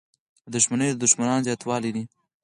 • دښمني د دوښمنانو زیاتوالی دی.